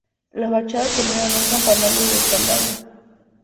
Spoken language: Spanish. La fachada termina en un campanario de espadaña.